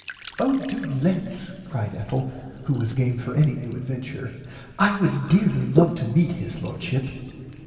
Oh do lets cried Ethel who was game for any new adventure I would dearly love to meet his lordship.